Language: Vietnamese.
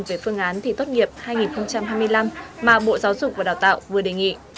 về phương án thi tốt nghiệp hai nghìn hai mươi năm mà bộ giáo dục và đào tạo vừa đề nghị